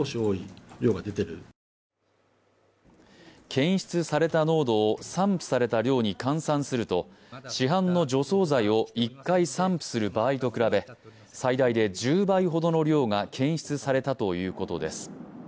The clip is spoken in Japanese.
検出された濃度を散布された量に換算すると市販の除草剤を１回散布する場合と比べ最大で１０倍ほどの量が検出されたということです。